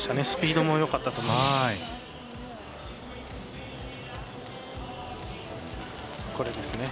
スピードもよかったと思います。